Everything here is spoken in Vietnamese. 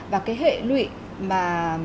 và cái hệ lụy mà